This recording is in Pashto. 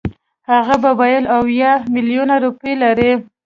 هغه به ویل اویا میلیونه روپۍ لري.